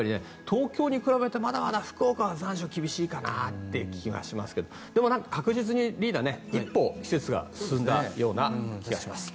東京に比べて、まだまだ福岡は残暑が厳しいかなという気がしますけどでも、確実にリーダー、一歩季節が進んだような気がします。